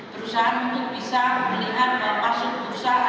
perusahaan untuk bisa melihat masuk perusahaan